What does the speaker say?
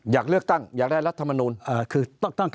อยากเลือกตั้งอยากได้รัฐมนูลคือ